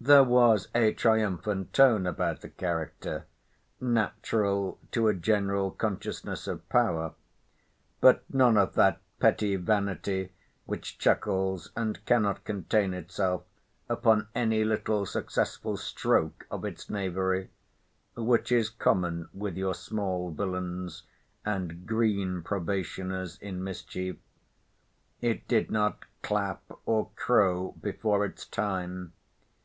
There was a triumphant tone about the character, natural to a general consciousness of power; but none of that petty vanity which chuckles and cannot contain itself upon any little successful stroke of its knavery—as is common with your small villains, and green probationers in mischief. It did not clap or crow before its time.